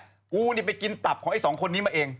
กูนี่ไปกินตับของไอ้สองคนนี้มาเอง